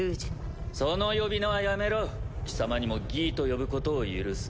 その呼び名はやめろ貴様にもギィと呼ぶことを許す。